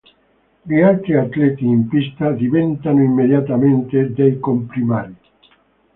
Gli altri atleti in pista diventano immediatamente dei comprimari.